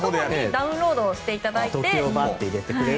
ダウンロードしていただいて。